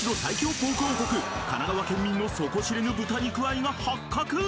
ポーク王国神奈川県民の底知れぬ豚肉愛が発覚！